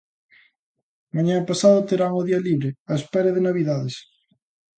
Mañá e pasado terán o día libre á espera de novidades.